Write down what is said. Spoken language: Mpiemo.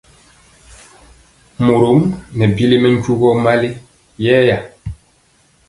Morɔm nɛ bili mɛ njugɔ mali yɛɛya.